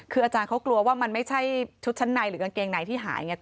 คืออาจารย์เขากลัวว่ามันไม่ใช่ชุดชั้นในหรือกางเกงในที่หายไง